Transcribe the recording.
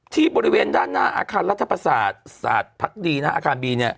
ที่บริเวณด้านหน้าอาคารรัฐภาษาศาสตร์ภักดีอาคารบี